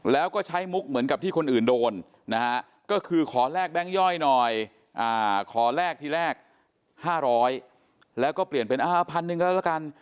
แล้วก็ใช้มุกเหมือนกับที่คนอื่นโดนนะฮะก็คือขอแลกแบงค์ย่อยหน่อยขอแลกทีแรก๕๐๐แล้วก็เปลี่ยนเป็นพันหนึ่งก็แล้วกัน